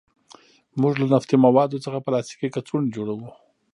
موږ له نفتي موادو څخه پلاستیکي کڅوړې جوړوو.